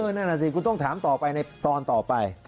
นั่นน่ะสิคุณต้องถามต่อไปในตอนต่อไป